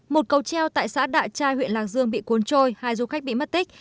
một cầu treo tại xã đạ trai huyện lạc dương bị cuốn trôi hai du khách bị mất tích